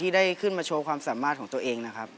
เพลงนี้อยู่ในอาราบัมชุดแรกของคุณแจ็คเลยนะครับ